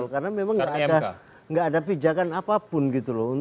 karena memang nggak ada pijakan apapun gitu loh